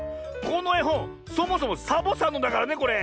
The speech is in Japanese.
このえほんそもそもサボさんのだからねこれ。